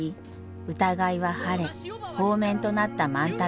疑いは晴れ放免となった万太郎。